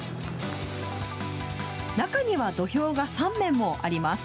中には土俵が３面もあります。